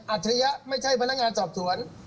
ฉริยะไม่ใช่พนักงานสอบสวน